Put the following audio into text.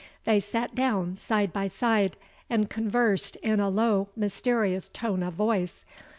They sat down side by side, and conversed in a low mysterious tone of voice.